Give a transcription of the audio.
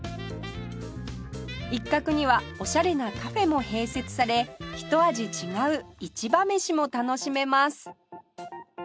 一角にはオシャレなカフェも併設されひと味違う市場飯も楽しめます